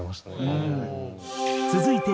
続いて。